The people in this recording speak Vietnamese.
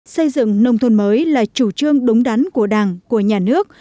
xây dựng nông thôn mới là chủ trương đúng đắn của đảng của nhà nước